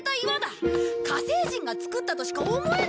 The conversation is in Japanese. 火星人が作ったとしか思えないでしょ？